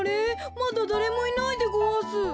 まだだれもいないでごわす。